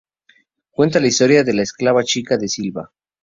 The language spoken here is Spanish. Cuenta la historia de la esclava Chica da Silva.